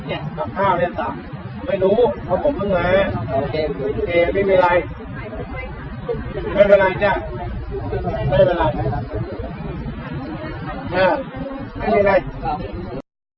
เวลาไหล่จ้ะเวลาไหล่ไหล่ไหล่ไหล่ไหล่